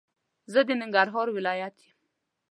زه د ننګرهار ولايت يم